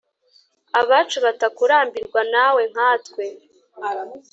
abacu, batakurambirwa nawe nkatwe